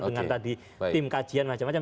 dengan tadi tim kajian macam macam